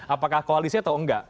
apakah koalisi atau enggak